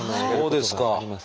そうですか！